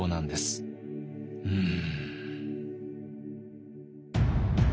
うん。